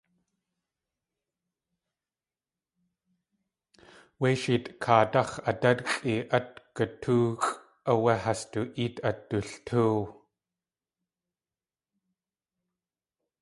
Wéi Sheetʼkaadáx̲ adátxʼi at gutóoxʼ áwé has du ée at dultóow.